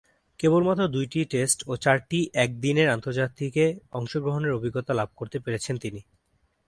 কেবলমাত্র দুইটি টেস্ট ও চারটি একদিনের আন্তর্জাতিকে অংশগ্রহণের অভিজ্ঞতা লাভ করতে পেরেছেন তিনি।